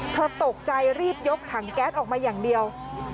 เธอตกใจรีบยกถังแก๊สออกมาอย่างเดียว